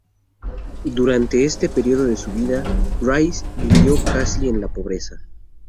Durante este periodo de su vida, Rhys vivió casi en la pobreza.